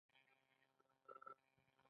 هند د نړۍ درملتون بلل کیږي.